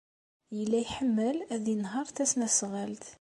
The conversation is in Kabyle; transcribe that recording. Yella iḥemmel ad yenheṛ tasnasɣalt.